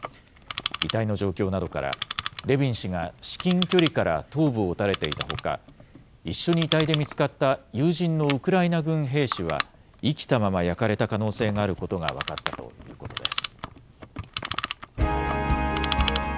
遺体の状況などから、レビン氏が至近距離から頭部を撃たれていたほか、一緒に遺体で見つかった友人のウクライナ軍兵士は生きたまま焼かれた可能性があることが分かったということです。